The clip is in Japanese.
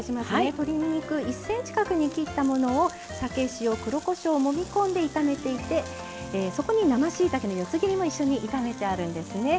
鶏肉１ｃｍ角に切ったものを酒、塩、黒こしょうをもみ込んで炒めていてそこに生しいたけも一緒に炒めてあるんですね。